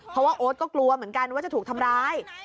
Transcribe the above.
เพราะว่าโอ๊ตก็กลัวเหมือนกันว่าจะถูกทำร้าย